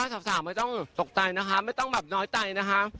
สาวไม่ต้องตกใจนะคะไม่ต้องแบบน้อยใจนะคะ